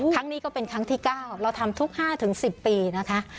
ครั้งนี้ก็เป็นครั้งที่๙เราทำทุก๕๑๐ปีนะคะ